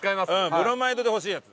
ブロマイドで欲しいやつ。